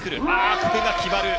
ここが決まる。